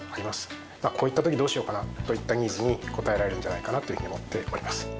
こういった時どうしようかなといったニーズに応えられるんじゃないかなというふうに思っております。